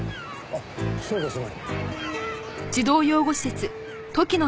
あっそうですね。